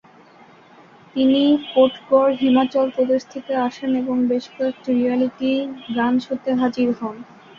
তিনি কোটগড় হিমাচল প্রদেশ থেকে আসেন, এবং বেশ কয়েকটি রিয়ালিটি গান শোতে হাজির হন।